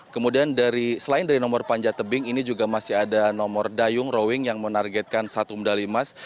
kemudian selain dari nomor panjat tebing ini juga masih ada nomor dayung rowing yang menargetkan satu medali emas